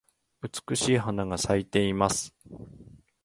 美しい花が咲いています。